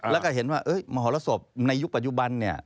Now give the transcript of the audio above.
แล้วก็เห็นว่าโมโฮและศพในยุคปัจจุบัน